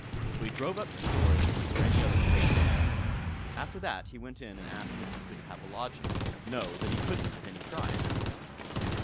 So he drove up to the door as if he were any other great man. After that he went in and asked if he could have a lodging? No; that he couldn't at any price.